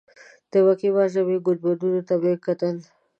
د مکې معظمې ګنبدونو ته مې کتل.